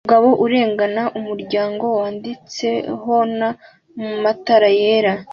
Umugabo urengana umuryango wanditsehona matara yera